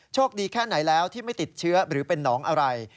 แค่ไหนแล้วที่ไม่ติดเชื้อหรือเป็นน้องอะไร